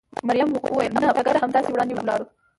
مريم وویل: نه، په ګډه همداسې وړاندې ولاړو.